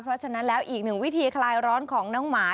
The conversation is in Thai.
เพราะฉะนั้นแล้วอีกหนึ่งวิธีคลายร้อนของน้องหมา